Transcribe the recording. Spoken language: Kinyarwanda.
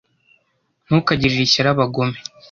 ntukagirire ishyari abagome